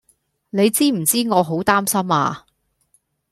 你知唔知我好擔心呀